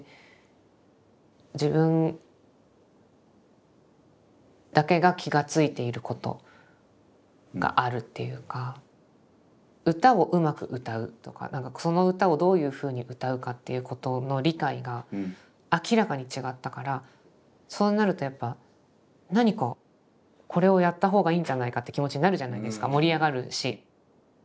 自分だけが気がついていることがあるっていうか歌をうまく歌うとかその歌をどういうふうに歌うかっていうことの理解が明らかに違ったからそうなるとやっぱ何かこれをやったほうがいいんじゃないかって気持ちになるじゃないですか盛り上がるし。